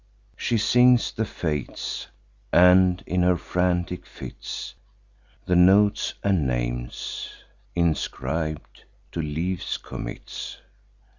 She sings the fates, and, in her frantic fits, The notes and names, inscrib'd, to leafs commits.